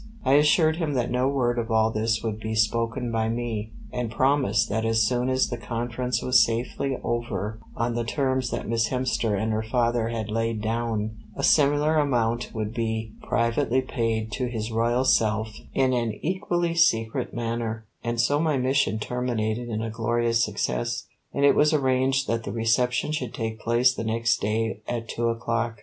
I assured him that no word of all this would be spoken by me, and promised that as soon as the conference was safely over on the terms that Miss Hemster and her father had laid down, a similar amount would be privately paid to his Royal self in an equally secret manner; and so my mission terminated in a glorious success, and it was arranged that the reception should take place the next day at two o'clock.